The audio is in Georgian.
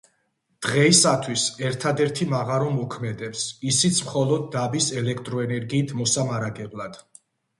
დღეისათვის ერთადერთი მაღარო მოქმედებს, ისიც მხოლოდ დაბის ელექტროენერგიით მოსამარაგებლად.